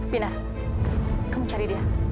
pinar kamu cari dia